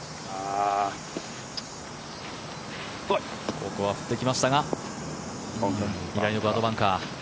ここは振っていきましたが左のバンカー。